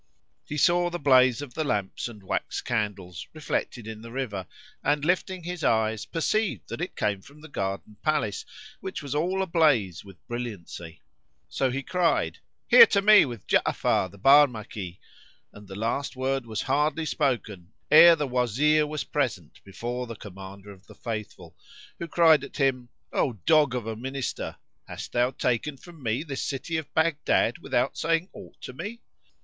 He saw the blaze of the lamps and wax candles reflected in the river and, lifting his eyes, perceived that it came from the Garden Palace which was all ablaze with brilliancy. So he cried, "Here to me with Ja'afar the Barmaki!"; and the last word was hardly spoken ere the Wazir was present before the Commander of the Faithful, who cried at him, "O dog of a Minister, hast thou taken from me this city of Baghdad without saying aught to me?"